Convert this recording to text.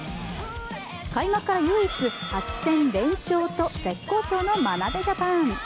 開幕から唯一、８戦全勝と絶好調の眞鍋ジャパン。